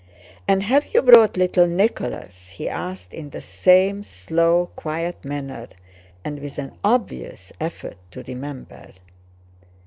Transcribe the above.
"And have you brought little Nicholas?" he asked in the same slow, quiet manner and with an obvious effort to remember.